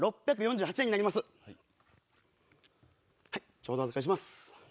ちょうどお預かりします。